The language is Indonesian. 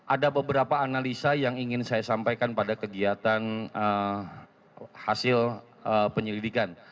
ada beberapa analisa yang ingin saya sampaikan pada kegiatan hasil penyelidikan